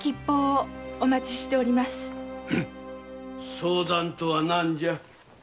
相談とは何じゃ？